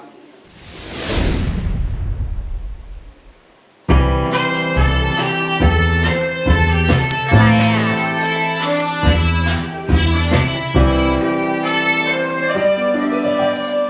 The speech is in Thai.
ใครอ่ะ